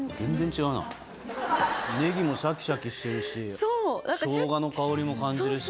ネギもシャキシャキしてるしショウガの香りも感じるし。